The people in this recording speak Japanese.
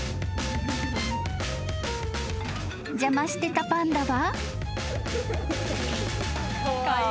［邪魔してたパンダは］